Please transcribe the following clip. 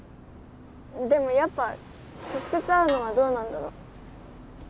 でもやっぱ直接会うのはどうなんだろ。